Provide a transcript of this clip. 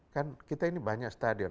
kan kita ini banyak stadion